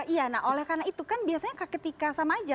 iya nah oleh karena itu kan biasanya ketika sama aja